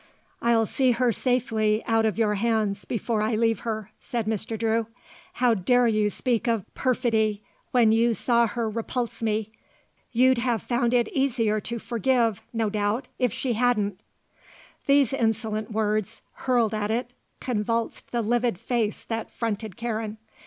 "I'll see her safely out of your hands before I leave her," said Mr. Drew. "How dare you speak of perfidy when you saw her repulse me? You'd have found it easier to forgive, no doubt, if she hadn't." These insolent words, hurled at it, convulsed the livid face that fronted Karen.